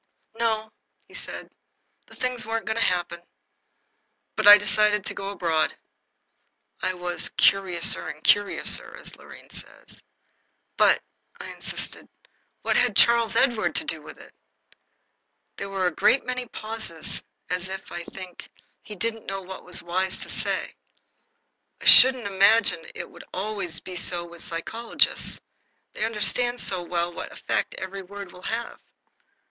"No," he said, "the things weren't going to happen. But I decided to go abroad." I was "curiouser and curiouser," as Lorraine says. "But," I insisted, "what had Charles Edward to do with it?" There were a great many pauses that night as if, I think, he didn't know what was wise to say. I should imagine it would always be so with psychologists. They understand so well what effect every word will have.